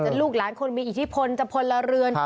ลูกหลานคนมีอิทธิพลจะพลเรือน